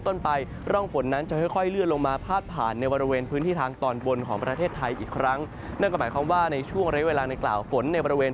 ซึ่งจะค่อยเคลื่อนลงมาผ่าผ่านในประเภทคางตอนบนของมันก็หมายความว่าในช่วงไลว์เวลาตลอด